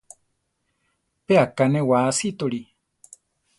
Pe aká newáa asítoli.